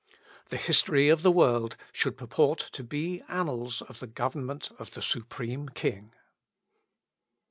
The history of the world should purport to be annals of the government of the Supreme King.